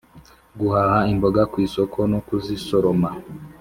guhaha imboga kwisoko no kuzisoroma